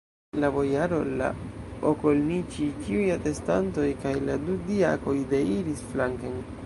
La bojaro, la okolniĉij, ĉiuj atestantoj kaj la du diakoj deiris flanken.